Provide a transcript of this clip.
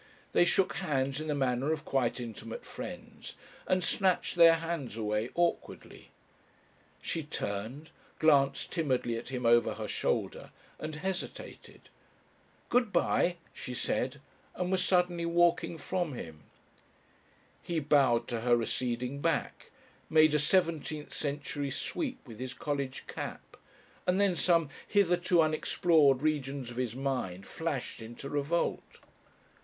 They shook hands in the manner of quite intimate friends, and snatched their hands away awkwardly. She turned, glanced timidly at him over her shoulder, and hesitated. "Good bye," she said, and was suddenly walking from him. He bowed to her receding back, made a seventeenth century sweep with his college cap, and then some hitherto unexplored regions of his mind flashed into revolt.